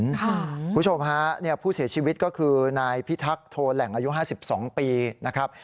คุณผู้ชมฮะผู้เสียชีวิตก็คือนายพิทักษ์โทแหล่งอายุ๕๒ปีนะครับ